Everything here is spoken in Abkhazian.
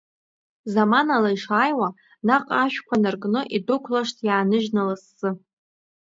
Заманала ишааиуа, наҟ ашәқәа наркны, идәықәлашт иааныжьны лассы.